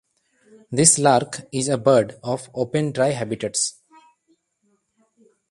This lark is a bird of open dry habitats.